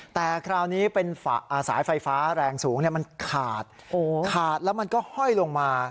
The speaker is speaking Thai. แต่คราวนี้เป็นสายไฟฟ้าแรงสูงมันขาดขาดแล้วมันก็ห้อยลงมา